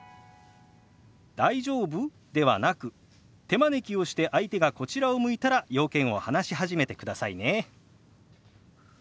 「大丈夫？」ではなく手招きをして相手がこちらを向いたら用件を話し始めてくださいね。